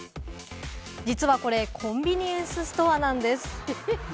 実はこれ、コンビニエンスストアなんです。